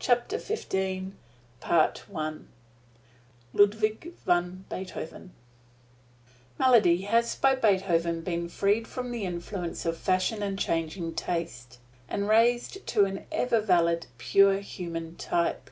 [Illustration: BEETHOVEN] LUDWIG VAN BEETHOVEN Melody has by Beethoven been freed from the influence of Fashion and changing Taste, and raised to an ever valid, purely human type.